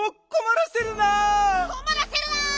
こまらせるな！